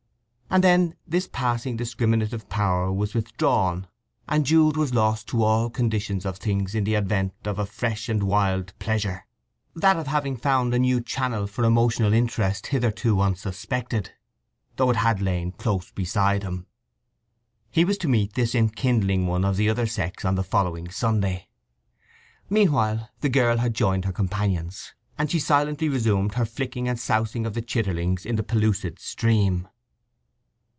And then this passing discriminative power was withdrawn, and Jude was lost to all conditions of things in the advent of a fresh and wild pleasure, that of having found a new channel for emotional interest hitherto unsuspected, though it had lain close beside him. He was to meet this enkindling one of the other sex on the following Sunday. Meanwhile the girl had joined her companions, and she silently resumed her flicking and sousing of the chitterlings in the pellucid stream.